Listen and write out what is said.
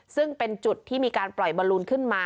ซึ่งเป็นจุดที่มีการปล่อยบอลลูนขึ้นมา